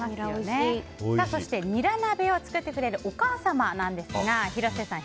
そして、ニラ鍋を作ってくれるお母様なんですが広瀬さん